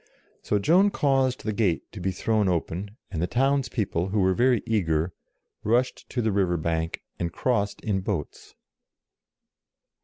So Joan caused the gate to be thrown open, and the town's people, who were very eager, rushed to the river bank, and crossed in boats.